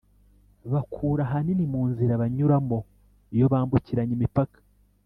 bakura ahanini mu nzira banyuramo iyo bambukiranya imipaka